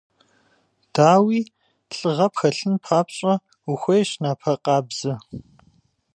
Дауи, лӏыгъэ пхэлъын папщӏэ ухуейщ напэ къабзэ.